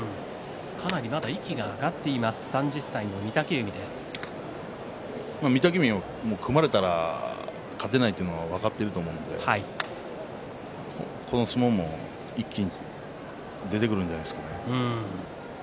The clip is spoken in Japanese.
かなりまだ息が上がっています御嶽海、組まれたら勝てないというのが分かっていると思うのでこの相撲も一気に出てくるんじゃないですかね。